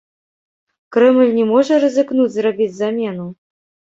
Крэмль не можа рызыкнуць зрабіць замену?